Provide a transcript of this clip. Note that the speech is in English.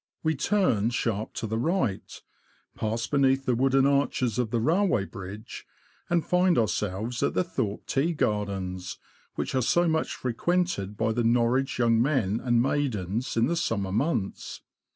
We turn sharp to the right, pass beneath the wooden arches of the railway bridge, and find ourselves at the Thorpe Tea Gardens, which are so much frequented by the Norwich young men and maidens in the summer months.